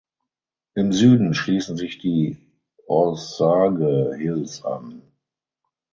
Im Süden schließen sich die Osage Hills an.